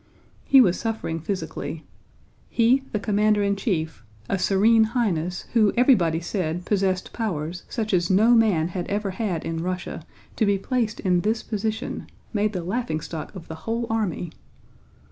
He was suffering physically. He, the commander in chief, a Serene Highness who everybody said possessed powers such as no man had ever had in Russia, to be placed in this position—made the laughingstock of the whole army!